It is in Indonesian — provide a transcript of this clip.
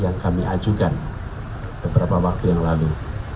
yang kami ajukan beberapa waktu yang lalu